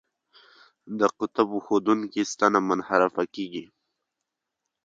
د قطب ښودونکې ستنه منحرفه کیږي.